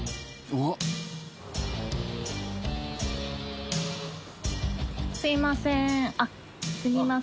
あっすいません。